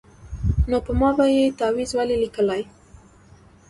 نو په ما به یې تعویذ ولي لیکلای